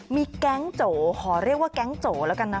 มีแก๊งโจขอเรียกว่าแก๊งโจแล้วกันนะคะ